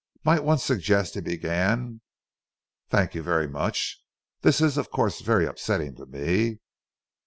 "Might one suggest," he began "thank you very much. This is of course very upsetting to me.